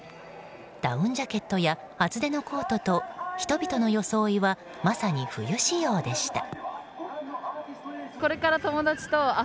ダウンジャケットや厚手のコートと人々の装いはまさに冬仕様でした。